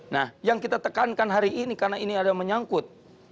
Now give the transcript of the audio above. nah yang kita tekankan hari ini karena ini ada menyangkut